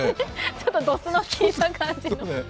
ちょっとドスのきいた感じの。